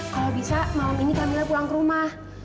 kalau bisa malam ini kamila pulang ke rumah